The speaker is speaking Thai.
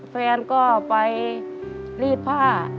แฟนก็ไปรีดผ้า